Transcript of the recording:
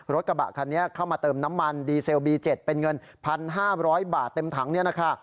รถกระบะคันนี้เข้ามาเติมน้ำมันดีเซลบี๗เป็นเงิน๑๕๐๐บาทเต็มถังเนี่ยนะคะ